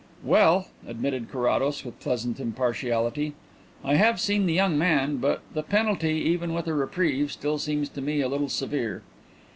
"Well," admitted Carrados, with pleasant impartiality, "I have seen the young man, but the penalty, even with a reprieve, still seems to me a little severe."